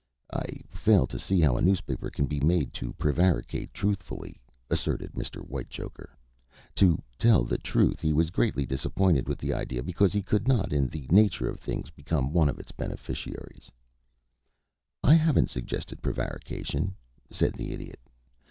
"I fail to see how a newspaper can be made to prevaricate truthfully," asserted Mr. Whitechoker. To tell the truth, he was greatly disappointed with the idea, because he could not in the nature of things become one of its beneficiaries. [Illustration: "HE WAS NOT MURDERED"] "I haven't suggested prevarication," said the Idiot.